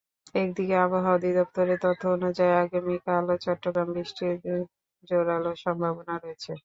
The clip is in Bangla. এদিকে আবহাওয়া অধিদপ্তরের তথ্য অনুযায়ী, আগামীকালও চট্টগ্রামে বৃষ্টির জোরালো সম্ভাবনা রয়েছে।